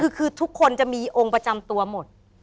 คือทุกคนจะมีองค์ประจำตัวหมด